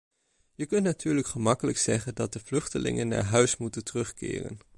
Je kunt natuurlijk gemakkelijk zeggen dat de vluchtelingen naar huis moeten terugkeren.